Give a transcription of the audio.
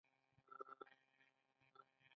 ایا الله ستاسو سره دی؟